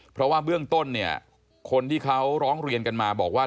เพราะว่าเบื้องต้นเนี่ยคนที่เขาร้องเรียนกันมาบอกว่า